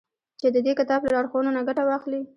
چي د دې كتاب له لارښوونو نه گټه واخلي.